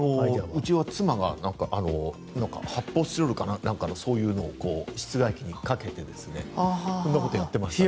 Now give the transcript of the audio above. うちは妻が発泡スチロールみたいなそういうのを室外機にかけてそんなことやってました。